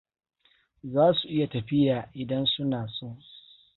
Za su iya tafiya idan suna so.